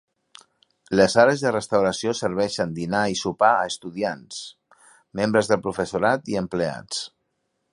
Les àrees de restauració serveixen dinar i sopar a estudiants, membres del professorat i empleats.